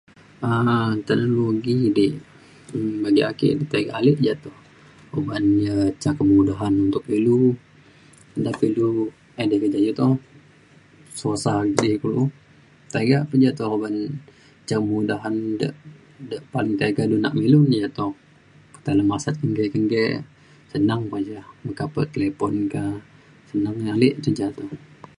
um teknologi di bagi ake tiga ale ja toh uban ja ca kemudahan pet ilu na pe ilu edei ke ja toh susah di kulu tiga pa ja toh uban ia’ ca kemudahan de de paling tiga du nak me ilu. ketai le masat kenggei kenggei senang pa ja meka pe talipon ka senang ale ke ja toh.